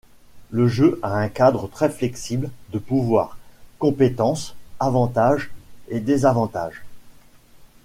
Le jeu a un cadre très flexible de pouvoirs, compétences, avantages et désavantages.